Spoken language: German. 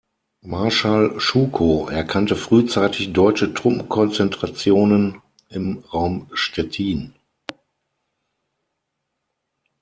Marschall Schukow erkannte frühzeitig deutsche Truppenkonzentrationen im Raum Stettin.